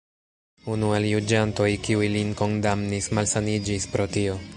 Unu el juĝantoj, kiuj lin kondamnis, malsaniĝis pro tio.